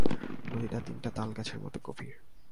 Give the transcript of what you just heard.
নদীটা তিনটা তাল গাছের মতো গভীর।